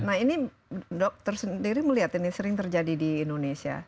nah ini dokter sendiri melihat ini sering terjadi di indonesia